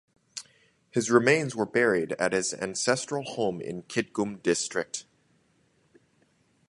His remains were buried at his ancestral home in Kitgum District.